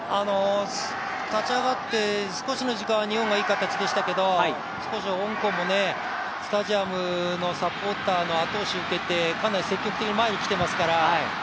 立ち上がって少しの時間は日本はいい形でしたけど少し香港もスタジアムのサポーターの後押しを受けてかなり積極的に前にきていますから。